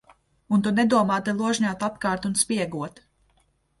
Un tu nedomā te ložņāt apkārt un spiegot.